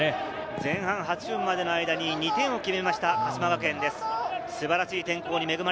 前半８分までの間に２点を決めた鹿島学園です。